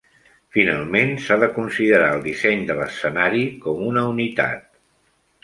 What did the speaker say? Finalment, s'ha de considerar el disseny de l'escenari com una unitat.